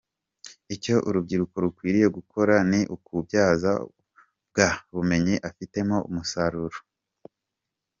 Icyo urubyiruko rukwiriye gukora ni ukubyaza bwa bumenyi afite mo umusaruro.